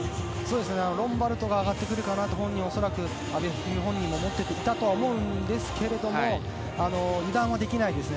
ロンバルドが上がってくるかなというところに阿部一二三本人も恐らく思っていたと思うんですが油断はできないですね。